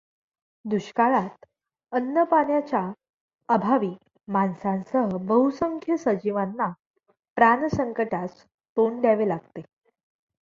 दुष्काळात अन्नपाण्याच्या अभावी माणसांसह बहुसंख्य सजीवांना प्राणसंकटास तोंड द्यावे लागते.